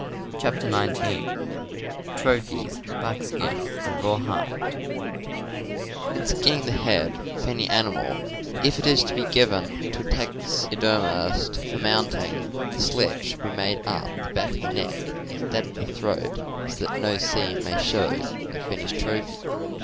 CHAPTER XIX TROPHIES, BUCKSKIN, AND RAWHIDE TN skinning the head of any animal of the deer tribe, ■'• if it is to be given to a taxidermist for mounting, the slit should be made up the back of the neck, . instead of the throat, so that no seam ^ may show in the finished trophy.